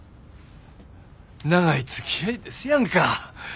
長いつきあいですやんか。